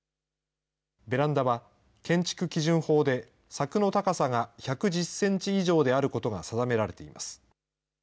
ベランダは、建築基準法で柵の高さが１１０センチ以上であることが定められています。